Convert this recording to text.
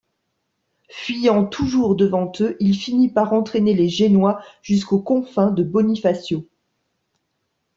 Fuyant toujours devant eux, il finit par entraîner les Génois jusqu'aux confins de Bonifacio.